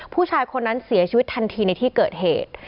ผู้ชายคนนั้นเสียชีวิตทันทีในที่เกิดเหตุ